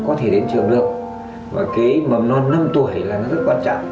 cháu có thể đến trường được và cái bầm non năm tuổi là nó rất quan trọng